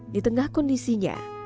di tengah kondisinya